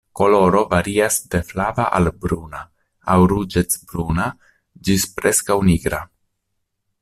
Koloro varias de flava al bruna aŭ ruĝecbruna ĝis preskaŭ nigra.